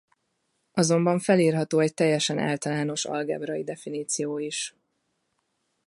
Azonban felírható egy teljesen általános algebrai definíció is.